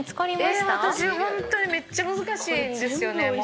私ホントにめっちゃ難しいんですよね。